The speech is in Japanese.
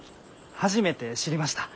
初めて知りました。